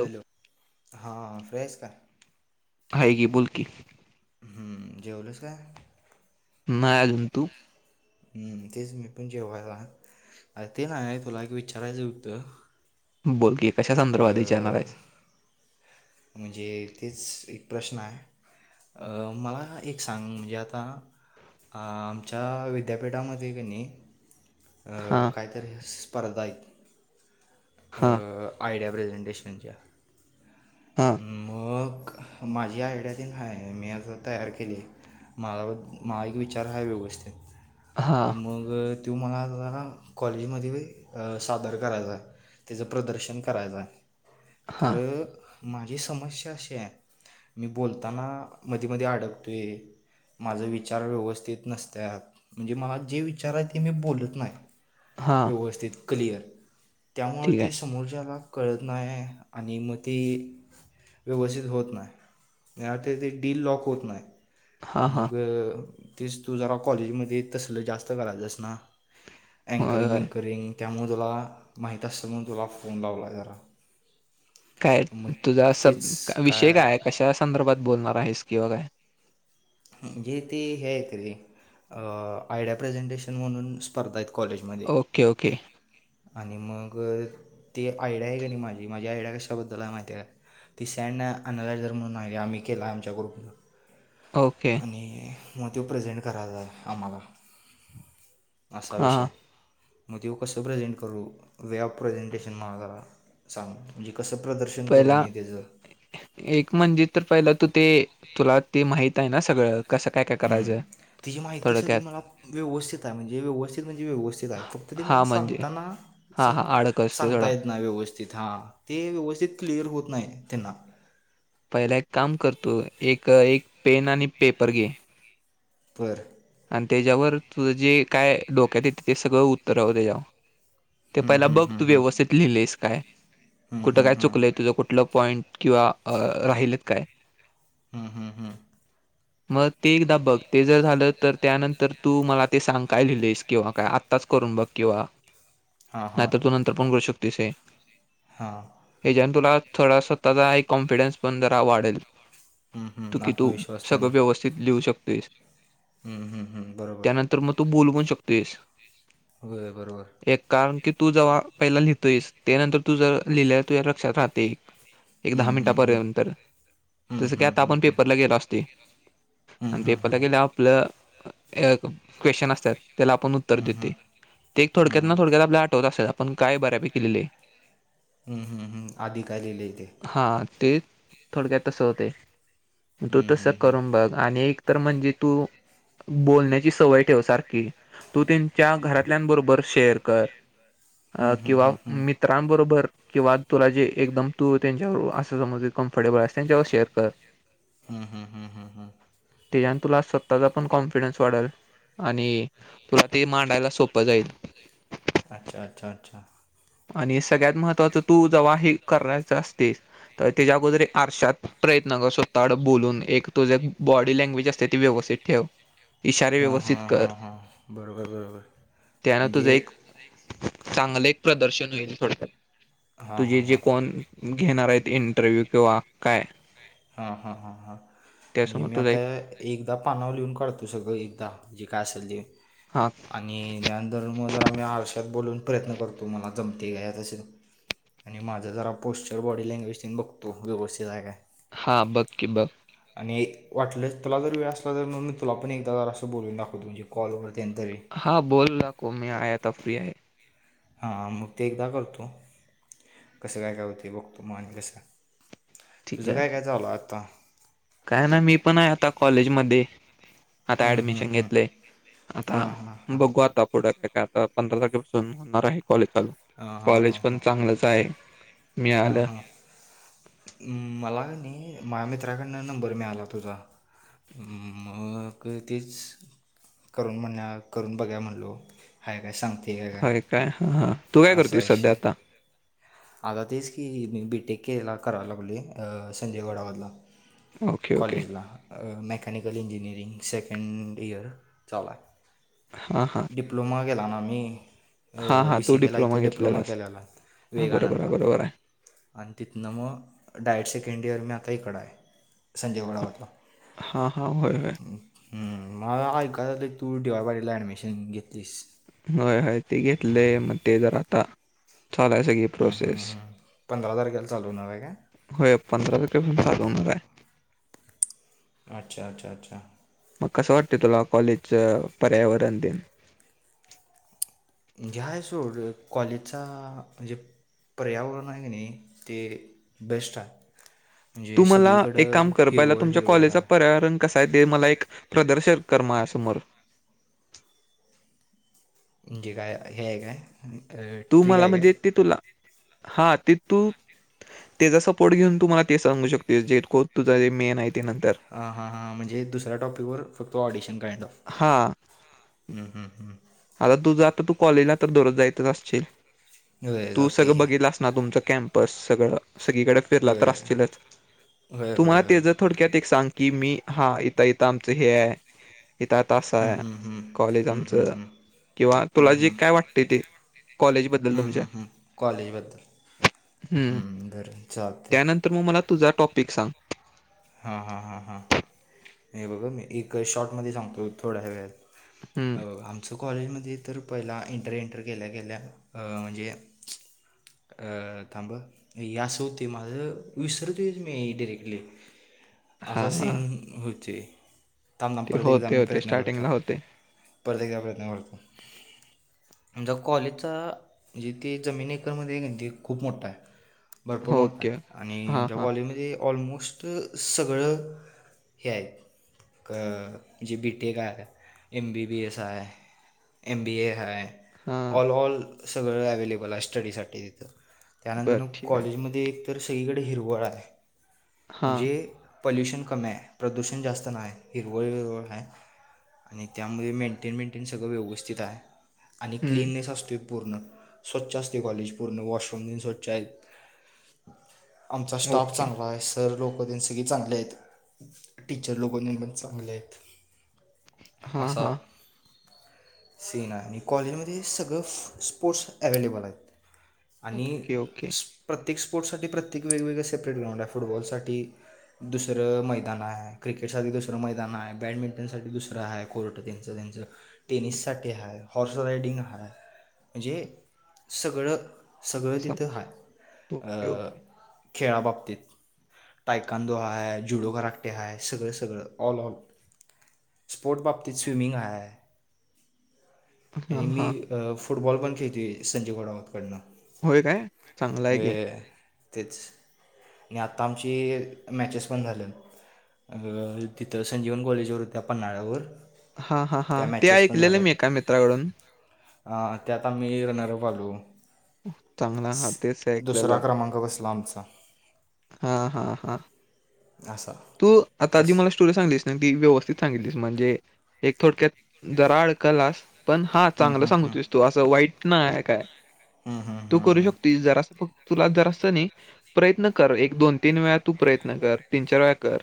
Hello हा fresh का हग बोलकी हम्म जेवलंस काय? नाही अजुन तु? तेच मी पण जेवायला. अर ते नाही तुला एक विचारायचं होतं? बोल की कशा संदर्भात जाणार अ, आहेस? म्हणजे तेच एक प्रश्न आहे? मला एक सांग म्हणजे आता आमच्या विद्यापीठामध्ये कीनय. हा अ काहीतरी स्पर्धा आहेत. हा आयडिया प्रेझेंटेशनच्या हा मगं माझ्या आयडिया त ह मी असं तयार केली. मला मा एक विचार हाय व्यवस्थित. हा आणि मग तो मला जरा कॉलेजमध्ये सादर करायचाय. त्याचं प्रदर्शन करायचं आहे हा खरं माझी समस्या अशी आहे मी बोलताना मध्ये मध अडकतोय माझा विचार व्यवस्थित नसत म्हणजे मला जे विचार आहे ते मी बोलत नाही हा व्यवस्थित क्लियर त्यामुळे ठीक आहे कशाला कळना नाही आहे आणि म त व्यवस्थित होत नाही ते ते डीली लॉक होत नाही. हा हा मग तेच तू जरा कॉलेजमध्ये तसल जास्त करायचंस ना. होय अँकरिंग होय बंकरिंग त्यामुळे तुला माहित असतना. गोलाप फोंडावला जरा. काय मग तुझा स तेच विषय काय आहे कशा संदर्भात बोलणार आहेस किंवा काय? म्हणजे ते हे आहे रे आयडिया प्रेझेंटेशन म्हणून स्पर्धा कॉलेजमध्ये ओके ओके आणि मग ती आयडिया आहे का नाही माझी माझी आयडिया कशाबद्दल आहे माहिती आहे. ती सँड आणनला जर म्हणून आली आम्ही केला आमच्या ग्रुपन. ओके आणि मग तो प्रेझेंट करायला आम्हाला असा हां विषय हां. आहे. मग तेव कसं प्रेझेंट करू वे ऑफ प्रेझेंटेशन मझला सांग म्हणजे? कसं प्रदर्शन करू पहिला मी त्याचं एक म्हणजे तर पहिला तू ते तुला ते माहित ना सगळ. ह तिची माहिती सगळी मला व्यवस्थित आहे म्हणजे व्यवस्थित म्हणजे व्यवस्थित आहे. फक्त हा म्हणजे सांगताना स हा हा अडक असतो सांगता थोडा येत नाही व्यवस्थित हां ते व्यवस्थित. क्लिअर होत नाही त्यांना. पहिला एक काम करतो एक एक पेन आणि पेपर घे. बरं आणि त्याच्यावर तुझं जे काय डोक्यात येते ते सगळं उत्तरावं त्याच्यावर. ते हम्म, पहिला हम्म, बघ हम्म, तू हम्म. व्यवस्थित लिहिलेस काय. हम्म, कुठं हम्म, काय चुकलंय हम्म. तुझं कुठलं पॉईंट किंवा राहिल काय. हम्म हम्म हम्म मग ते एकदा बघते जर झालं तर त्यानंतर तू मला ते सांगाय लिहिलेस किंवा काय आत्ताच करून बघ किंवा. हां हां नाहीतर तू नंतर पण करू शकतेस आहे हां ह्याचाण तुला थोडा स्वतःचा आहे कॉन्फिडन्स पण जरा वाढेल. हम् हम्म आत्मविश्वास. त्यानं सगळ व्यवस्थित लिहू शकतेस हम्म, हम्म, हम्म. बरोबर त्यानंतर मग तू ब होय बरोबर एक कारण की तू जेव्हा पहिला लिहोस ते नंतर. तू जर लिहिलं तू या लक्षात राहते. एक दहा हम्म, हम्म, हम्म. मिनिटापर्यंतर हम्म, जसं की हम्म, आता हम्म, आपण हम्म. पेपरला गेलो असते. हम्म, आणि हम्म, पेपरला हम्म. गेल्या आपलं क्वेश्चन असतात. त्याला आपण उत्तर हम्म देतोय हम्म ते एक थोडक्यात ना हम्म थोडक्यात आपल्या आठवत असेल आप आपण काय बऱ्यापैकी लिलय. हम्म हम्म हम्म आधी काय लिहिलंय ते. हा ते थोडक्यात तसं होते तो हम्म तसं हम्म करून बघ आणि तर म्हणजे तू बोलण्याची सवय ठेव सारखी तू ते च्या घरातल्यांबरोबर शेअर कर हम्म हम्म किंवा हम्म हम्म मित्रांबरोबर. किंवा तुला जे एकदम तू त्यांच्यावर असं समज कम्फर्टेबल अस त्यांच्यावर शेअर कर. हम्म हम्म हम्म हम्मम्म. तेच्यान तुला स्वतःचा पण कॉन्फिडन्स वाढल. आणि तुला ते मांडायला सोपं जाईल. अच्छा अच्छा अच्छा. आणि सगळ्यात महत्त्वाच तू जेव्हा हे करायचं असतेस तर त्याच्या अगोदर आरशात प्रयत्न कर स्वतः कड बोलून एक तुझे एक बॉडी लँग्वेज असते ती व्यवस्थित ठेव. इशारे हा हा व्यवस्थित हा कर हा बरोबर बरोबर म्हणजे चांगले एक प्रदर्शन होईल थोडक्यात हां तुझे हां जे हां कोण घेणार आहेत. इंटरव्यू तवा काय? हा हा हा हा. म्हणजे त्यासमोर मी तुझा आता एक एकदा पानावर लिहून काढतो सगळं एकदा जे काय असेल ते. हा आणि त्यानंतर म जर आम्ही आरशात बोलून प्रयत्न करतो मला जमतंय काय तसं. आणि माझा जरा पोस्चर बॉडी लँग्वेज बघतो व्यवस्थित आहे काय. हा बघ की बघ. वाटलं तुला जर वेळ असला तर मी तुला पण एकदा जरास बोलून दाखवतो म्हजे कॉल हा बोल ना को मी आता फ्री आहे. हा मग ते एकदा करतो कसं काय काय होते बघतो मग आणि कसं. ठीक तुझं आहे काय ठीक काय चालू हाय आता? काय ना मी पण आहे आता कॉलेजमध्ये आता हं, हं, ऍडमिशन हं. घेतले आता हां हां हां बघू आता पुढ का आता पंधरा तारखेपासून होणार आहे. कॉलेज चालू हां हां कॉलेज हां पण हां चांगलंच आहे हां मिळालं. हां मला कणी माझ मित्राकडनं नंबर मिळाला तुझा. मग तेच. करून म्हण करून बघूया म्हणलो आहे काय सांगत. हय काय हा हा तू काय करतेयस सध्या विषय आता? आता तेच की मी बीटेक केला करायला लागले संजय घोडावत ला. ओके ओके कॉलेज ला अ Mac mechanical engineering second year चालू आहे. हां हां डीप्लोमा केला ना मी. हां हां बी तू सी केेला इथं डिप्लोमा घेतलेलास केलेला. हा बरोबर विवेकानंद आहे ला बरोबर आहे आणि तिथनं मग डायरेक्ट सेकंड इयर मी आता हीकडं आहे. संजय घोडावत ला. हा हा होय होय म ऐकाय आलं तू डी वाय पाटील ला ऍडमिशन घेत. होय होय ते घेतलेय मग ते जरा आता चालाय सगळी हम्म, हम्म, प्रोसेस. हम्म. पंधरा तारखेला चालू होणार आहे काय होय पंधरा तारखे पासन चालू होणार आहे. अच्छा अच्छा अच्छा. मग कसं वाटत तुला कॉलेजच पर्यावरण दिन? म्हणजे हाय सोड कॉलेजचा म्हणजे पर्यावरण आहे कनी ते बेस्ट आहे. म्हणजे तुम्हाला एक काम सगळीकडं कर पाहिला हिरवळ तुमच्या हिरवळ कॉलेजचा आहे पर्यावरण कस आहे ते मला एक प्रदर्शन करमाझ्यासमोर म्हणजे काय हे आहे काय तू ट्रिक मला आहे म्हणजे काय ती तुला हा ती तू त्याचा सपोर्ट घेऊन तुमला ते सांगू शकते जे ख तुझ जे मेन आहे ते नंतर हा हा हां म्हणजे दुसऱ्या टॉपिकवर फक्त ऑडिशन कळयच हा हम् हम् हम् आता तुझ आता तू कॉलेजला तर दररोज जायचच असशील होय तू जाते सगळं की बघलस ना तुमच कप सग सकडे फिर होय त होय होय तुम्हाला होय ते थोडक्यातांग कि मी हा इथ इथं आमचं हे आहे इथ तसा हम्म, आहे हम्म, हम्म. कॉलेज हम्म, हम्म, आमचं हम्म. किंवा हम्म, तुला जे हम्म. काय वाटते ते कॉलेज बद्दल हम्म, तुमच्या हम्म, हम्म. कॉलेजबद्दल हम्म बरं चालते त्यानंतर मग मला तुझा टॉपिक सांग हा हा हा हा हे बघ मी एक शॉर्टमध्येध्ये सांगतो थोड्या्या वेळात अ हं. आमचं. सो कॉलेजमध्ये तर पहिला इंटर इंटर केल्या गेल्या म्हणजे थांब या असं होते माझं विसर मी डिरेक्टली असा हां, सीन हां. होते. त्यांना ते परत एकदा होते, आम्ही होते. प्रयत्न करतो स्टार्टिंगला होते. परत एकदा प्रयत्न करतो. म्हजा कॉलेजचा म्हणजे ते जमीन एकरमध्येध्ये खूप मोठा आहे. भरपूर मोठा ओके. आहे आणि हां, आच्या हां. कॉलेजमध्ये ऑलमोस्ट सगळं हे आहेत क जे बीटेक आहे एम बी बी एस आहे एम बी ए आहे हां. ऑल ऑल सगळ अवलेबल आहे स्टडी साठी तिथं त्यानंतर बरं मग ठीक आहे. कॉलेजमध्येध्ये एक तर सगळीकडे हिरवळ आहे हा म्हणजे पल्युशन कमी आहे प्रदूषण जास्त नाही हिरवळ हिरवळ आहे आणि त्यामध्ये मेंटेन मेंटेन सगळं व्यवस्थित आहे आणि हं. क्लिननेस असतो पूर्ण स्वच्छ असते कॉलेज पूर्ण वॉशरूम दिन स्वच्छ आहे आमचा स्टाफ ओके. चांगला आहे सर लोक सगळे चांगले आहेत टीचर लोकोनी पण चांगले आहेत हा असा हा सीन आहे आणि कॉलेजमध्ये सगळं स्पोर्ट्स अवेलेबल आहेत आणि ओके, ओके. स् प्रत्येक स्पोर्टससाठी प्रत्येक वेगवेगळे सेपरेट ग्राउंड आहे फुटबॉलसाठी दुसरं मैदान आहे क्रिकेट सा दुसरं मैदान आहे बॅडमिंटनसाठी दुसरं आहे कोर्ट त्यांचं त्यांचं टेनिस साठी हा हॉर्स रायडिंग हा म्हणजे सगळं सगळ सम तिथं ओके, ओके. हात खेळाबाबतीत टय कांदो हा आहे जुडो कराकटे हा आहे सगळं सगळं ऑल ऑल स्पोर्ट बाबतीत स्विमिंग हय आणि हां, मी हां. फुटबॉल पण खेळतोय संजय गोडावतकडनं होय काय चांगलंय की होय तेच आणि आता आमची मॅचेस पण झाल्यात अ तिथं संजीवन कॉलेजवर होत्या पन्हाळ्यावर हा हा हा त्या ते मॅचेस पण ऐकलेलं मी एका झाल्यात मित्राकडून अ त्यात आम्ही रनरप आलू चांगला हां, तेच दुसरा क्रमांक वस्लामचा हा हा हा असा तू आता आधी मला कसं स्टोरी सांगलीस ना ती व्यवस्थित सांगितलीस म्हणजे एक थोडक्यात दराळ कलास पण हा चांगलं हम्म, सांगतोस तो असं वाईट काय हम्म, तू हम्म, करू हम्म. शकतस जरास फक्त तुला जरास नाही प्रयत्न कर एक दोन तीन वेळा तू प्रयत्न कर तीन चार वेळा कर.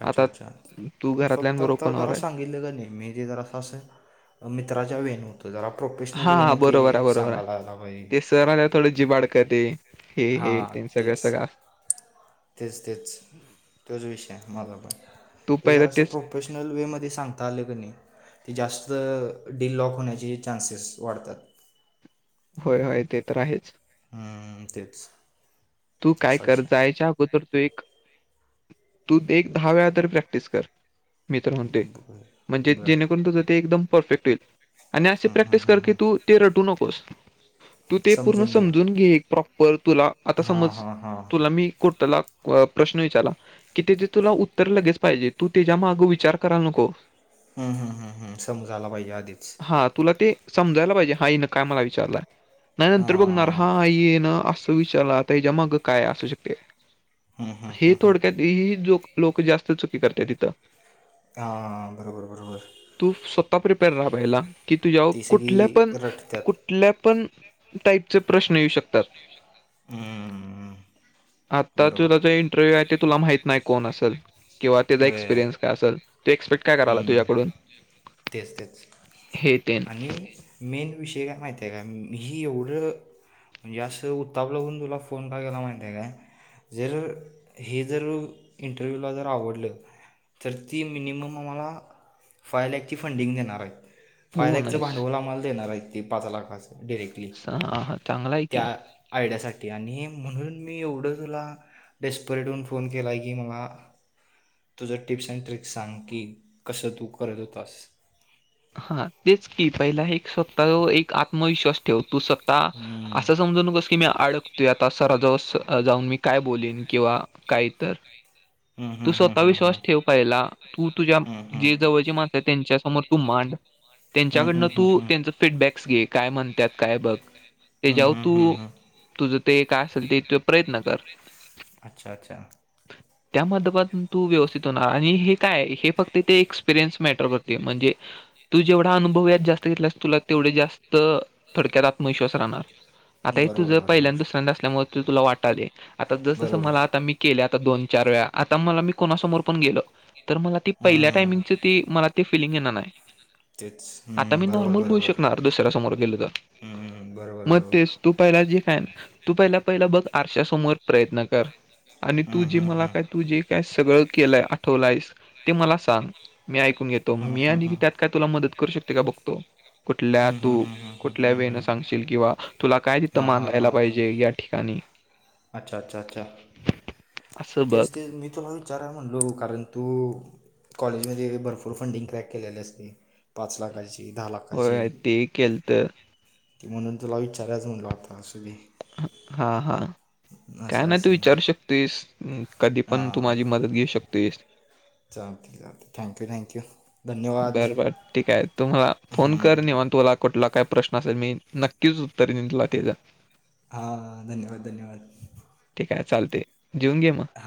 अच्छा! आता अच्छा! तू फक्त घरातल्यांबरोबर आता पण जरा आहे सांगितलं कण्य मी जे जरां अस, मित्राच्या वेनूत हा बरोबर आहे, बरोबर आहे, आला पाहिजे ते सर आल्यत थोडं जिभ अडकली हे हे हां त्यांच सगळं तेच सगळं तेच, तेच, तोच विषय हाय. तू पहिलं जरा स तेच प्रोफेशनल वे मध्ये सांगता आलं कण्य जास्त डील लॉक होण्याचे चान्सेस वाढतात. होय, होय ते तर आहेच. हम्म तेच. तू काय असा कर विषय आहे. जायच्या अगोदर तू एक तू एक दहा वेळा तर प्रॅक्टिस कर. मी तर म्हणतोय, म्हणजे बरं बरं जेणेकरून तुझं ते एकदम परफेक्ट येईल. आणि असे प्रॅक्टिस कर क तू ते रटू नकोस. तू ते पूर्ण समजून घे प्रॉपर तुला आ हां समज हां हां तुला हम्म, मी प्रश्न विचारला की ते तुला उत्तर लगेच पाहिजे तू त्याच्या माग विचार कराला नको. हम् हम्म हम्म हम्म समजा आला पाहिजे आधीच. हा तुला ते समजायला पाहिजे हा हिन काय मला विचारलाय, नाही नंतर बघणार हां हा हिन असं विचारला. हिज्या माग काय असू शकते, हम्म, हम्म, हे हम्म, हम्म. थोडक्यात हे जो लोक जास्त चुकी करत्यात इथं. हा बरोबर, बरोबर. तू [unintelligible] की तुझ्यावर ती कुठल्या सगळी पण, रटत्यात कुठल्या पण टाईपचे प्रश्न येऊ शकतात. हम्मम. आता तुला जो इंटरव्ह्यू आहे ते तुला माहित नाही कोण असल. किंवा त्याचा होय एक्पिरियन्सय असल ते एक्स्पेक्ट हम्म, तेच, तेच, हे तेन आणि मी विषय काय माहिती आहे का ही एवढं हे असं उतावळा होऊन तुला फोन का केला माहितीय का? जर हे जर इंटरव्ह्यूला जर आवडलं तर ती मिनिमम आम्हाला, फायलॅकची फंडिंग देणार आहेत, फाय हो लॅकचं नाईस भांडवल आम्हाला देणार आहेत. पाच लाखाच डायरेक्टली, चांगला आहे की त्या आयडियासाठी. आणि म्हणून मी एवढं तुला डेेस्परेटऊन फोन केलाय की मला तुझं टिप्स अँड ट्रिकस सांग की कसं तू करत होतास. हा तेच की पहिला एक स्वतः एक आत्मविश्वास ठेव तू आता, हम्म. असं समजू नकोस की मी अडकतोय यात. आता सराजवळ जाऊन मी काय बोललीन किंवा काय तर हम्म, तू हम्म, हम्म, स्वतः हम्म, हम्म. विश्वास ठेव पाहिला तू तुझ्या हम्म, हम्म, जे जवळची माणस आहे त्यांच्या समोर तू मांड. हम्म, त्यांच्याकडनं हम्म, तू हम्म, हम्म, त्यांच फीडबॅकस घे. काय म्हणतात काय बघ, हम्म, तेच्यावर हम्म, हम्म. तू, हम्म. तुझं ते काय असेल ते त प्रयत्न कर. अच्छा! अच्छा! त्या माध्यमातून तू व्यवस्थित होणार आणि हे काय हे फक्त तेे एक्सपिरियन्स मॅटर करतय म्हणजे तू जेवढा अनुभव या जास्त घेतलास तुला तेवढे जास्त थोडक्यात आत्मविश्वास राहणार. आता हे बरोबर तुझं पहिल्यांदा बरोबर दुसऱ्यांद असल्यामुळे ते तुला वाटाले आता जस जसं बरोबर मला आता मी केलय दोन चार वेळा आता मला मी कोणासमोर पण गेल, तर मला ती पहिल्या हम्म, टायमिंगच ती मला ते फिलिंग येणार नाही. [unintelligible] आता हम्म, मी बरोबर नॉर्मल बोलू बरोबर शकणार दुसऱ्या समोर गेलो तर. हम्म, बरोबर मग बरोबर तेस तू पहिला जे फॅन तू पहिला, पहिला बघ आरश समोर प्रयत्न कर. आणि हम्म, तू जे हम्म, मला हम्म. काय तू जे काय सगळं केलंय आठवलायस, ते मला सांग. मी ऐकून घेतो. हम्म, मी हम्म, आणि की हम्म. त्यात काय तुला मदत करू शकतोय का बघतो. कुठल्या हम्म, हम्म, तू हम्म, हम्म, कुठल्या हम्म, वेळने हम्म. सांगशील किंवा तुला काय तिथं हां हां मानयला हां पाहिजे या ठिकाणी. आणि अच्छा अच्छा अच्छा, असं बघ तेच तेच मी तुला विचारा म्हणलो कारण तू कॉलेजमध्ये भरपूर फंडिंग क्रॅक केल्याले असते, पाच लाखाचे. होय, तेही केलतं. की म्हणून तुला विचारायच म्हणलो आता. असं बी हा, हा हा. काय असं नाही तू असेल ना विचारू शकतेस, कधी पण तू माझी मदत घेऊ शकतेस. चालतंय चालतंय, थँक्यू थँक्यू. धन्यवाद बर, बर, ठीके आहे, तु मला फोन कर निवांत मला तुला कुठला काय प्रश्न असं मी नक्कीच उत्तर दिल तुला तेज. हा धन्यवाद, धन्यवाद. काय चालते जेऊन घे म.